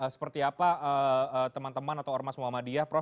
seperti apa teman teman atau ormas muhammadiyah prof